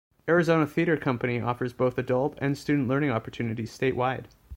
Arizona Theatre Company offers both adult and student learning opportunities statewide.